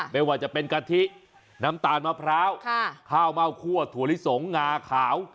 ไม่ว่าจะเป็นกะทิน้ำตาลมะพร้าวข้าวเม่าคั่วถั่วลิสงงาขาว